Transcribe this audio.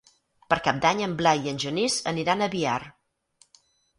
Per Cap d'Any en Blai i en Genís aniran a Biar.